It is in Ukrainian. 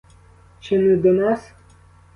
Чи не до нас?